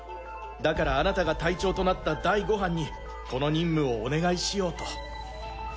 だからあなたが隊長となった第五班にこの任務をお願いしようと。